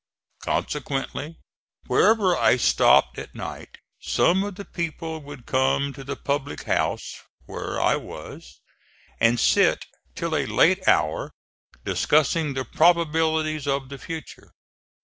Consequently wherever I stopped at night, some of the people would come to the public house where I was, and sit till a late hour discussing the probabilities of the future.